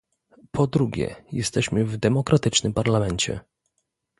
Po drugie, jesteśmy w demokratycznym parlamencie